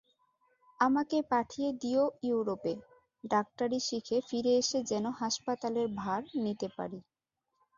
আমাকে পাঠিয়ে দিয়ো য়ুরোপে, ডাক্তারি শিখে ফিরে এসে যেন হাঁসপাতালের ভার নিতে পারি।